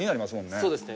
そうですね。